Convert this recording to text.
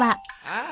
ああ？